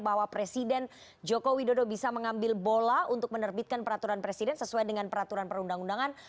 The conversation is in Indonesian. bahwa presiden joko widodo bisa mengambil bola untuk menerbitkan peraturan presiden sesuai dengan peraturan perundang undangan